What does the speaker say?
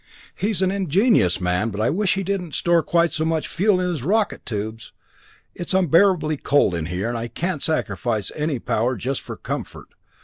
"He's an ingenious man, but I wish he didn't store quite so much fuel in his rocket tubes! It's unbearably cold in here, and I can't sacrifice any power just for comfort.